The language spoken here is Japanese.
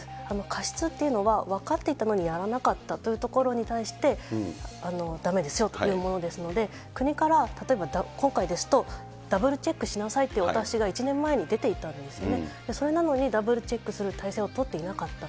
過失っていうのは、分かっていたのにやらなかったというところに対して、だめですよというものですので、国から例えば今回ですと、ダブルチェックしなさいというお達しが１年前に出ていたんですね、それなのにダブルチェックする体制を取っていなかった。